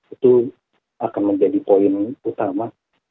itu akan menjadi poin utama